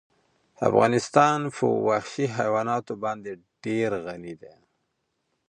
افغانستان په وحشي حیواناتو باندې ډېر غني دی.